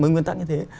mới nguyên tắc như thế